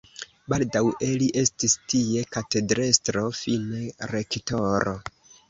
Baldaŭe li estis tie katedrestro, fine rektoro.